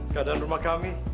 keadaan rumah kami